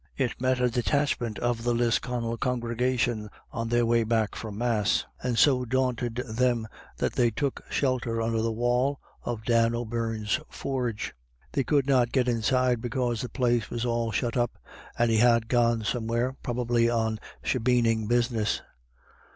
It met a detachment of the Lisconnel congrega tion on their way back from Mass, and so daunted them that they took shelter under the wall of Dan O'Beirne's forge; they could not get inside, because the place was all shut up, and he had gone some where, probably on shebeening business.